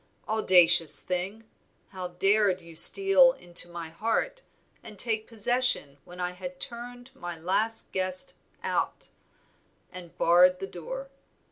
Audacious thing! how dared you steal into my heart and take possession when I had turned my last guest out and barred the door?